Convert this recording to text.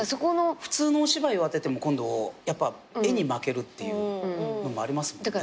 普通のお芝居をあてても今度絵に負けるっていう部分もありますもんね。